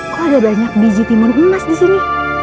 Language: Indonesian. kok ada banyak biji timun emas disini